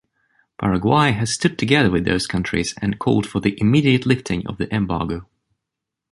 Paraguay has stood together with those countries and called for the immediate lifting of the embargo.